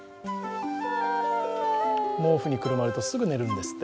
毛布にくるまるとすぐ寝るんですって。